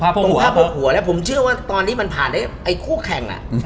เพราะตรงภาพพ่อหัวแล้วผมเชื่อว่าตอนนี้มันผ่านไอ้คู่แข่งอ่ะ